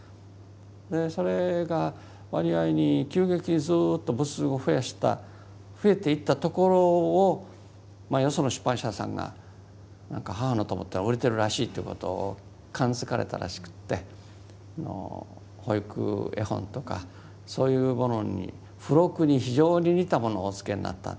それが割合に急激にずっと部数を増やした増えていったところをよその出版社さんが何か「母の友」っていうのは売れてるらしいということを感づかれたらしくって保育絵本とかそういうものに付録に非常に似たものをお付けになったんです。